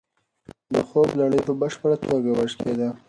د خوب لړۍ په بشپړه توګه وشکېده.